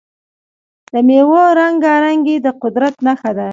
د میوو رنګارنګي د قدرت نښه ده.